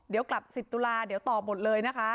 เดี๋ยวกลับ๑๐ตุลาเดี๋ยวตอบหมดเลยนะคะ